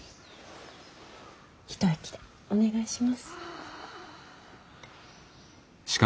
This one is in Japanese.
一息でお願いします。